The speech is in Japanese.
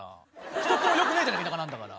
一つもよくないじゃない田舎なんだから。